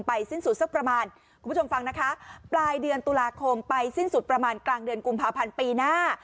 สิ้นสุดสักประมาณคุณผู้ชมฟังนะคะปลายเดือนตุลาคมไปสิ้นสุดประมาณกลางเดือนกุมภาพันธ์ปีหน้า